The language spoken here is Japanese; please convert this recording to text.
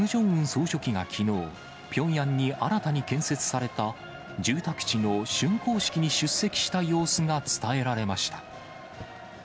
総書記がきのう、ピョンヤンに新たに建設された、住宅地のしゅんこう式に出席した様子が伝えられました。